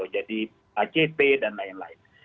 jadi acp dan lain lain